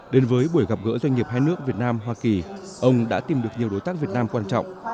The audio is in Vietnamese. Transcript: đến với buổi gặp gỡ doanh nghiệp hai nước việt nam hoa kỳ ông đã tìm được nhiều đối tác việt nam quan trọng